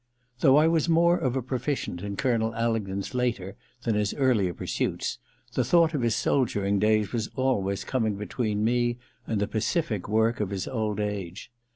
Though I was more of a proficient in Colonel Alingdon*s later than his earlier pursuits, the thought of his soldiering days was always com ing between me and the pacific work of his old ass 236 THE LETTER i age.